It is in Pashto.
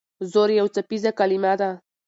زور یو څپیزه کلمه ده.